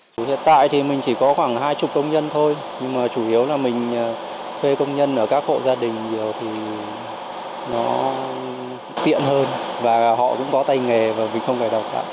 hiện tại thì mình chỉ có khoảng hai chục công nhân thôi nhưng mà chủ yếu là mình thuê công nhân ở các hộ gia đình nhiều thì nó tiện hơn và họ cũng có tay nghề và mình không phải đọc cả